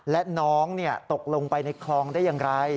และน้องตกลงไปในคลองได้อย่างไร